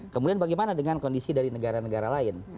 kemudian bagaimana dengan kondisi dari negara negara lain